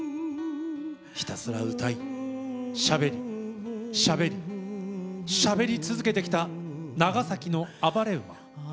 ひたすら歌いしゃべりしゃべりしゃべり続けてきた長崎の暴れ馬。